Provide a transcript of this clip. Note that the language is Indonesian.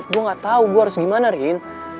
gue gak tau gue harus gimana rin